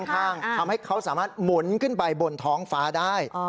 ข้างทำให้เขาสามารถหมุนขึ้นไปบนท้องฟ้าได้